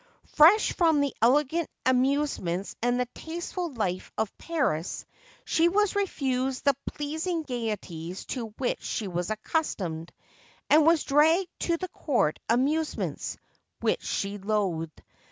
Fresh from the elegant amusements and the tasteful life of Paris, she was refused the pleasing gayeties to which she was accustomed, and was dragged to the court amusements, which she loathed.